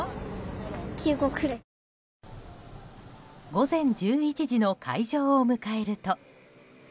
午前１１時の開場を迎えると。